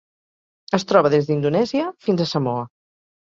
Es troba des d'Indonèsia fins a Samoa.